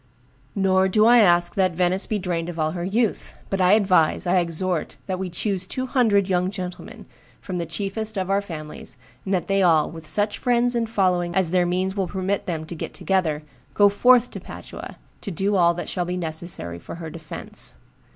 Nor do I ask that Venice be drained of all her youth; but I advise, I exhort, that we choose two hundred young gentlemen, from the chiefest of our families, and that they all, with such friends and following as their means will permit them to get together, go forth to Padua to do all that shall be necessary for her defence.